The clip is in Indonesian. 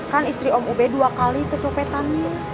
kan istri om ub dua kali kecopetan